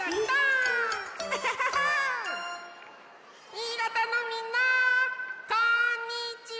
新潟のみんなこんにちは！